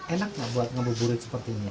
enak nggak buat ngabuburit seperti ini